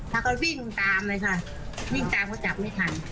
แล้วก็วิ่งตามเลยค่ะวิ่งตามเขาจับไม่ทัน